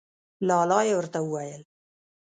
لا لا یې ورته وویل.